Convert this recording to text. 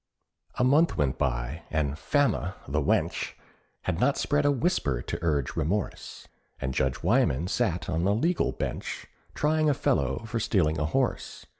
A month went by, and Fama, the wench! Had not spread a whisper to urge remorse, And Judge Wyman sat on the legal bench, Trying a fellow for stealing a horse.